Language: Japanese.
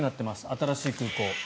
新しい空港。